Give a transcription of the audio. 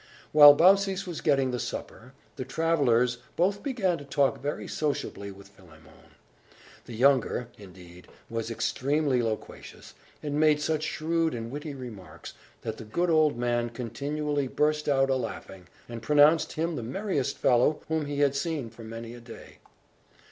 While Baucis was getting the supper, the travellers both began to talk very sociably with Philemon. The younger, indeed, was extremely loquacious, and made such shrewd and witty remarks, that the good old man continually burst out a laughing, and pronounced him the merriest fellow whom he had seen for many a day.